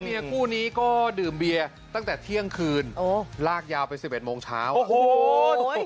เมียคู่นี้ก็ดื่มเบียร์ตั้งแต่เที่ยงคืนลากยาวไป๑๑โมงเช้าโอ้โห